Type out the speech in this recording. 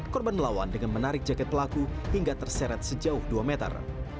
korban melawan dengan menarik jaket pelaku hingga terseret sejauh dua meter